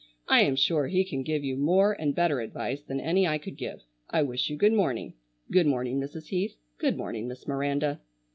I am sure he can give you more and better advice than any I could give. I wish you good morning. Good morning, Mrs. Heath. Good morning, Miss Miranda!"